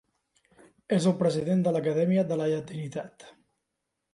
És el president de l’Acadèmia de la Llatinitat.